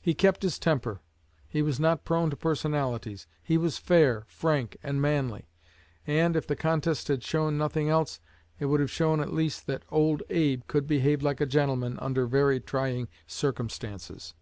He kept his temper; he was not prone to personalities; he was fair, frank, and manly; and, if the contest had shown nothing else, it would have shown at least that 'Old Abe' could behave like a gentleman under very trying circumstances.